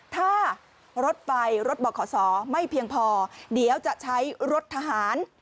ถ้ารถไฟรถบขสอไม่เพียงพอเดี๋ยวจะใช้รถทหาร